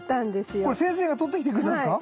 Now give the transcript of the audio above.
あらこれ先生が撮ってきてくれたんですか？